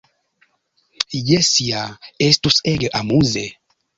Jes ja! Estus ege amuze!